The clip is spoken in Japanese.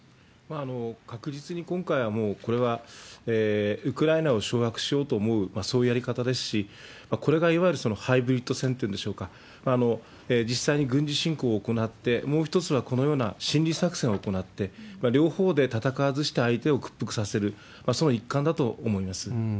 確実に今回はもう、これはウクライナを掌握しようと思う、そういうやり方ですし、これがいわゆるハイブリット戦っていうんでしょうか、実際に軍事侵攻を行って、もう一つはこのような心理作戦を行って、両方で戦わずして相手を屈服させる、その一環だと思います。